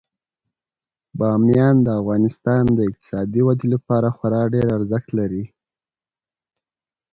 بامیان د افغانستان د اقتصادي ودې لپاره خورا ډیر ارزښت لري.